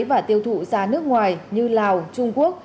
và tiêu thụ ra nước ngoài như lào trung quốc